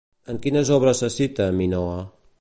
En quines obres se cita, Minoa?